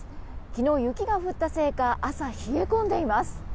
昨日雪が降ったせいか朝、冷え込んでいます。